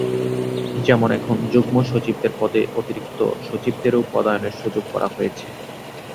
যেমন এখন যুগ্ম সচিবদের পদে অতিরিক্ত সচিবদেরও পদায়নের সুযোগ করা হয়েছে।